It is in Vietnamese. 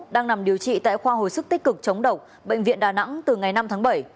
đang nằm điều trị tại khoa hồi sức tích cực chống độc bệnh viện đà nẵng từ ngày năm tháng bảy